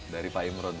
dari pak imron